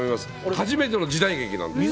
初めての時代劇なんですよ。